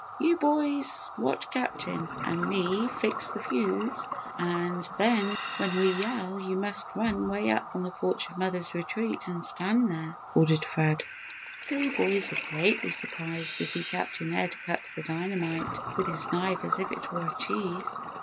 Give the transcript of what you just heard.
"You boys watch Captain and me fix the fuse and then when we yell you must run way up on the porch of mother's retreat and stand there," ordered Fred. The three boys were greatly surprised to see Captain Ed cut the dynamite with his knife as if it were a cheese.